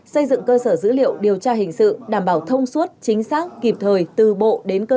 xây dựng cơ sở dữ liệu điều tra hình sự đảm bảo thông suốt chính xác kịp thời từ bộ đến cơ sở